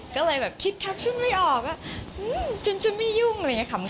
ก็เลยแบบคิดคัปชุนไม่ออกอ่ะจนจะไม่ยุ่งอะไรอย่างเงี้ย